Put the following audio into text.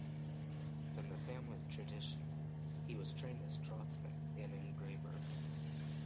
In the family tradition, he was trained as draughtsman and engraver.